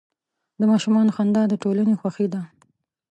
د ماشومانو خندا د ټولنې خوښي ده.